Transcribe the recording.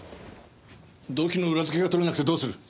動機の裏づけが取れなくてどうする？